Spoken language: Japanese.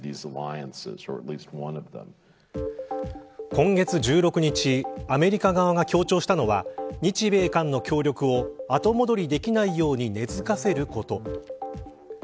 今月１６日アメリカ側が強調したのは日米韓の協力を後戻りできないように根付かせること。